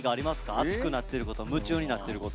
アツくなってること夢中になってること。